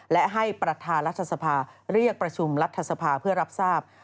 และให้ประธานรัฐสภาเรียกประชุมรัฐสภาเพื่อรับทราบ